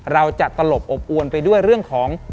เราจะตลบอบอวนไปด้วยเรื่องของ